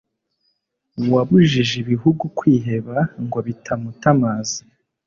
Wabujije ibihugu kwiheba ngo bitamutamaza